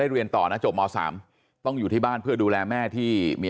เรียนต่อนะจบม๓ต้องอยู่ที่บ้านเพื่อดูแลแม่ที่เมีย